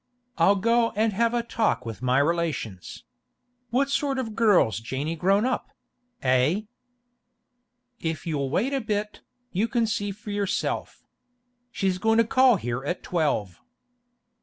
'I'll go and have a talk with my relations. What sort of a girl's Janey grown up—eh?' 'If you'll wait a bit, you can see for yourself. She's goin' to call here at twelve.